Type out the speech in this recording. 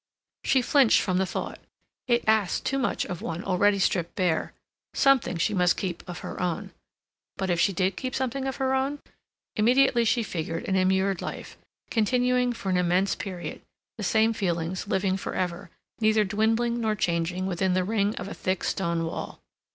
She flinched from the thought. It asked too much of one already stripped bare. Something she must keep of her own. But if she did keep something of her own? Immediately she figured an immured life, continuing for an immense period, the same feelings living for ever, neither dwindling nor changing within the ring of a thick stone wall.